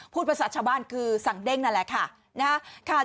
พูดภาษาชาวบ้านคือสั่งเด้งนั่นแหละค่ะ